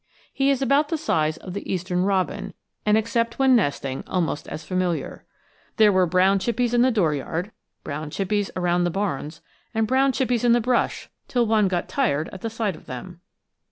He is about the size of the eastern robin, and, except when nesting, almost as familiar. There were brown chippies in the door yard, brown chippies around the barns, and brown chippies in the brush till one got tired of the sight of them.